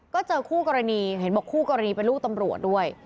ก็เจอคู่กรณีเห็นบอกคู่กรณีเป็นลูกตำรวจด้วย